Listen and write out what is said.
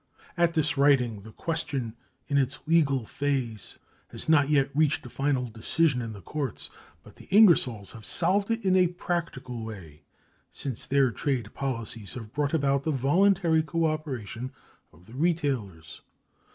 At this writing, the question in its legal phase has not yet reached a final decision in the courts, but the Ingersolls have solved it in a practical way, since their trade policies have brought about the voluntary cooperation of the retailers.